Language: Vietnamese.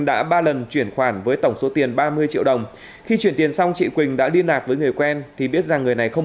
đảm bảo tuyệt đối không có khả năng tiếp xúc và lây lan ra bên ngoài